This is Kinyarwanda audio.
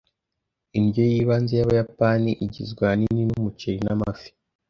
Indyo y'ibanze y'Abayapani igizwe ahanini n'umuceri n'amafi.